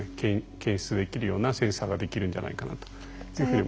検出できるようなセンサーができるんじゃないかなとそういうふうに思ってます。